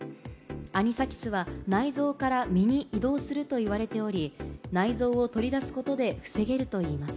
アニサキスは内臓から身に移動すると言われており、内臓を取り出すことで防げるといいます。